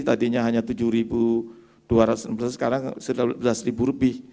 tadinya hanya tujuh dua ratus enam belas sekarang sebelas lebih